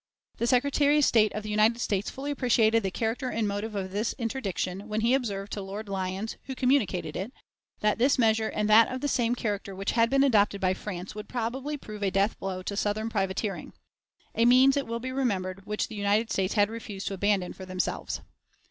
The Secretary of State of the United States fully appreciated the character and motive of this interdiction, when he observed to Lord Lyons, who communicated it, that "this measure and that of the same character which had been adopted by France would probably prove a death blow to Southern privateering" a means, it will be remembered, which the United States had refused to abandon for themselves.